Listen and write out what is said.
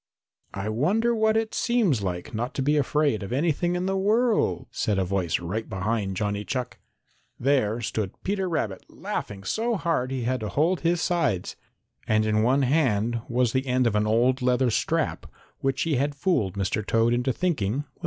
"I wonder what it seems like not to be afraid of anything in the world?" said a voice right behind Johnny Chuck. There stood Peter Rabbit laughing so that he had to hold his sides, and in one hand was the end of an old leather strap which he had fooled Mr. Toad into thinking was Mr. Blacksnake.